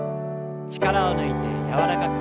力を抜いて柔らかく。